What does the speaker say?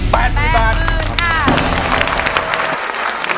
แปดหมื่นครับ